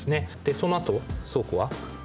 そのあと倉庫は？